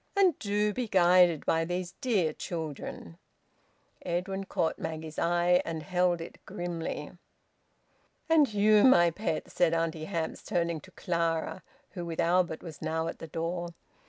"And do be guided by these dear children!" Edwin caught Maggie's eye, and held it grimly. "And you, my pet," said Auntie Hamps, turning to Clara, who with Albert was now at the door.